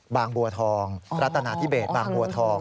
บางบัวทองรัตนาธิเบสบางบัวทอง